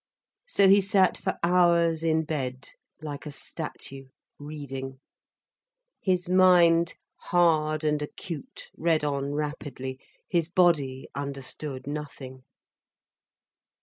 So he sat for hours in bed, like a statue, reading. His mind, hard and acute, read on rapidly, his body understood nothing.